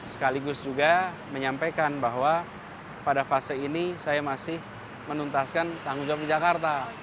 sekaligus juga menyampaikan bahwa pada fase ini saya masih menuntaskan tanggung jawab di jakarta